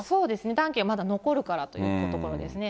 暖気がまだ残るからといったところですね。